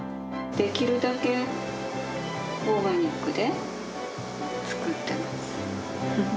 できるだけオーガニックで作ってます。